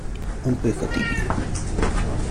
Un peu fatigué.